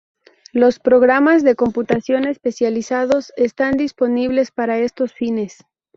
Los programas de computación especializados están disponibles para estos fines.